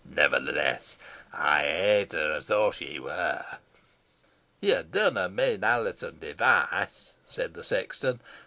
Nevertheless, I hate her as though she were." "Yo dunna mean Alizon Device?" said the sexton.